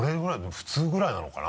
普通ぐらいなのかな？